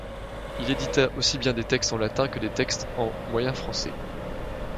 Il édita aussi bien des textes en latin que des textes en moyen-français.